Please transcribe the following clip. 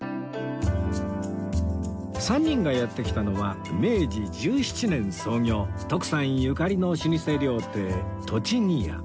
３人がやって来たのは明治１７年創業徳さんゆかりの老舗料亭栃木家